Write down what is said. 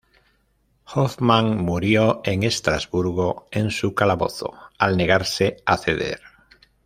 Hoffman murió en Estrasburgo en su calabozo, al negarse a ceder.